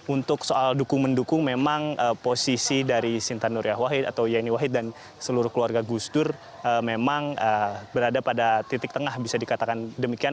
untuk soal dukung mendukung memang posisi dari sinta nuriyah wahid atau yeni wahid dan seluruh keluarga gus dur memang berada pada titik tengah bisa dikatakan demikian